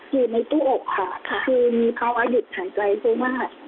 อยู่ในตู้อกค่ะคือมีภาวะหยุดหายใจเพราะว่า